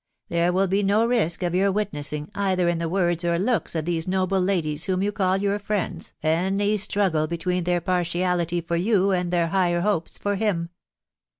.•. There will be no ask of your witnessing, either in the words or looks of these noUe ladies whom you call your friends, any struggle between their partiality for you and their higher hopes for him.